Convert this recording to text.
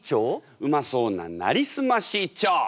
うまそうな「なりすまし」一丁！